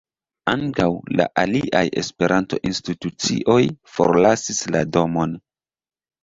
Ankaŭ la aliaj Esperanto-institucioj forlasis la domon.